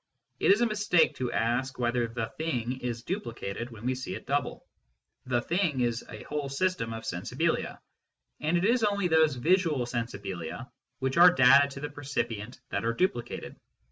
It is a mistake to ask whether the " thing " is duplicated when we see it double. The " thing " is a whole system of " sensibilia," and it is only those visual " sensibilia " which are data to the per cipient that are duplicated.